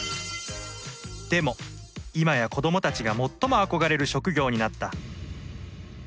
でも今や子どもたちが最も憧れる職業になった